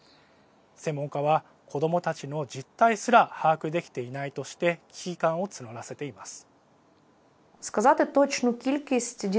専門家は、子どもたちの実態すら把握できていないとして危機感を募らせています。